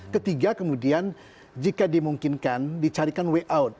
ketiga kemudian jika dimungkinkan dicarikan way out